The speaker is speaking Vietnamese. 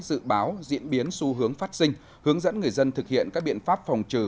dự báo diễn biến xu hướng phát sinh hướng dẫn người dân thực hiện các biện pháp phòng trừ